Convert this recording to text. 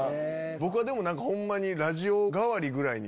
僕はでも何かホンマに。